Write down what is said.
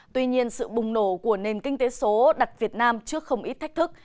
tuy nhiên sự bùng nổ của nền kinh tế số đặt việt nam trước không ít thách thức